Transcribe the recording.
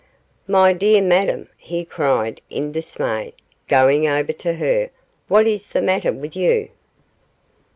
'My dear Madame,' he cried in dismay, going over to her, 'what is the matter with you?